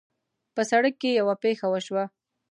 په سړک کې یوه پېښه وشوه